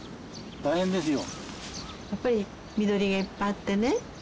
大変ですよ。